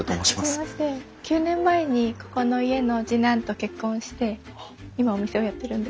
９年前にここの家の次男と結婚して今お店をやってるんです。